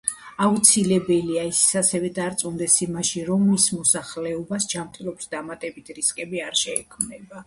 აუცილებელია, ის ასევე დარწმუნდეს იმაში, რომ მის მოსახლეობას ჯანმრთელობის დამატებითი რისკები არ შეექმნება.